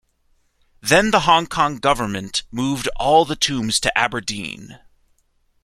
Then the Hong Kong Government moved all the tombs to Aberdeen.